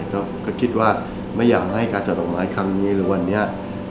ก็คิดว่าไม่อยากให้การจัดดอกไม้ครั้งนี้หรือวันนี้